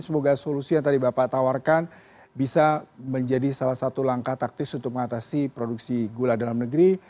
semoga solusi yang tadi bapak tawarkan bisa menjadi salah satu langkah taktis untuk mengatasi produksi gula dalam negeri